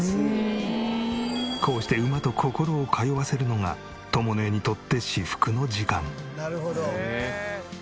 こうして馬と心を通わせるのがとも姉にとって至福の時間。